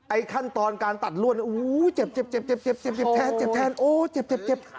ไอ้ขั้นตอนการตัดลวดโอ้เจ็บแทนโอ้เจ็บ